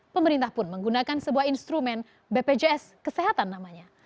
pemerintah pun menggunakan sebuah instrumen bpjs kesehatan namanya